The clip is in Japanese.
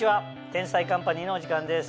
『天才‼カンパニー』のお時間です。